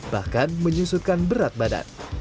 bahkan menyusutkan berat badan